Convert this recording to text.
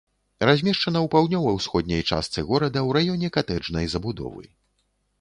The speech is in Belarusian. Размешчана ў паўднёва-ўсходняй частцы горада ў раёне катэджнай забудовы.